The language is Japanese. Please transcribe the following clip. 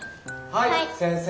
はい先生。